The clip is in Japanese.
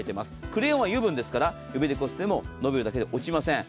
クレヨンは油分ですから指でこすっても伸びるだけで落ちません。